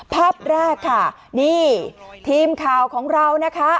ภาพแรกค่ะนี่ทีมข่าวของเรานะคะ